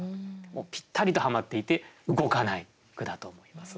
もうぴったりとはまっていて動かない句だと思います。